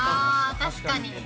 確かに。